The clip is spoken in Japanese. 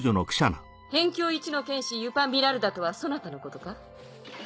辺境一の剣士ユパ・ミラルダとはそなたのことか？